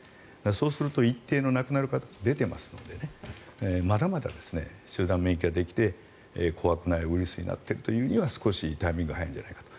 そうすると、一定の亡くなる方出ていますのでまだまだ集団免疫ができて怖くないウイルスになっているというには少しタイミングが早いんじゃないかと。